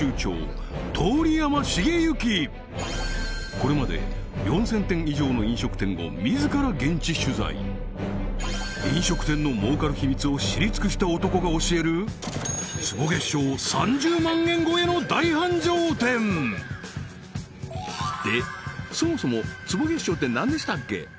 これまで４０００店以上の飲食店を自ら現地取材飲食店の儲かる秘密を知り尽くした男が教えるでそもそも坪月商って何でしたっけ？